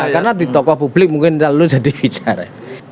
karena di tokoh publik mungkin lalu jadi bicara